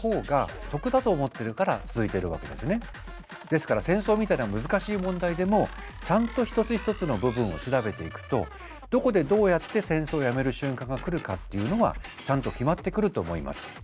ですから戦争みたいな難しい問題でもちゃんと一つ一つの部分を調べていくとどこでどうやって戦争をやめる瞬間が来るかっていうのはちゃんと決まってくると思います。